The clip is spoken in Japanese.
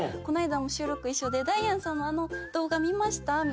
こないだも収録一緒で「ダイアンさんのあの動画見ました？」